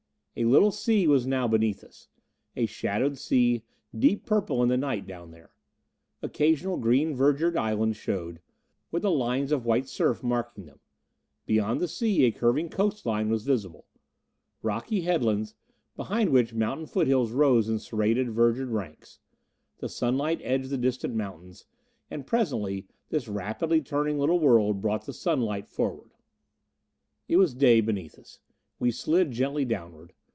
A little sea was now beneath us. A shadowed sea, deep purple in the night down there. Occasional green verdured islands showed, with the lines of white surf marking them. Beyond the sea, a curving coastline was visible. Rocky headlines, behind which mountain foothills rose in serrated, verdured ranks. The sunlight edged the distant mountains; and presently this rapidly turning little world brought the sunlight forward. It was day beneath us. We slid gently downward.